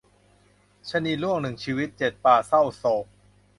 ชะนีร่วงหนึ่งชีวิต เจ็ดป่าเศร้าโศก